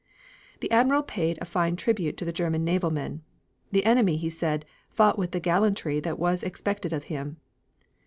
The Admiral paid a fine tribute to the German naval men: "The enemy," he said, "fought with the gallantry that was expected of him.